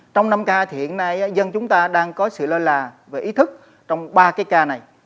trong năm ca thì hiện nay dân chúng ta đang có sự lơ là về ý thức trong ba cái ca này